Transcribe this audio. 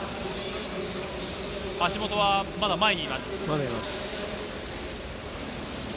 橋本はまだ前にいます。